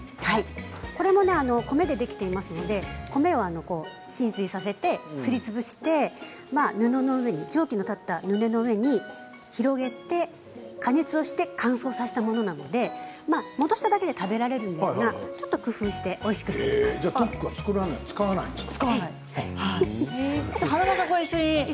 これも米できていますので米を浸水させて蒸気の立った布の上に広げて加熱をして乾燥させたものなので戻しただけで食べられるんですがちょっと工夫してじゃあトック使わないんですか。